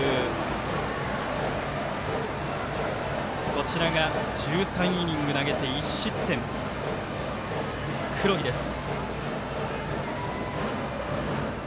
こちらが１３イニング投げて１失点黒木です。